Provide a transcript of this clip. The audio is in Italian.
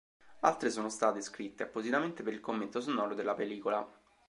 Altre sono state scritte appositamente per il commento sonoro della pellicola.